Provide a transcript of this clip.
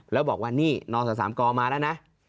แล้วบอกว่านี่นศ๓กมาแล้วนะ